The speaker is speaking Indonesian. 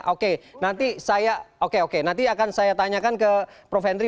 oke nanti akan saya tanyakan ke prof hendry